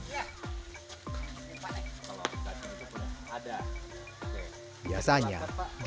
biasanya di dalam tali ini ada sebuah tempat yang dikenal sebagai tempat lemparan tali gasing